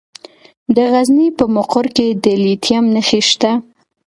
د غزني په مقر کې د لیتیم نښې شته.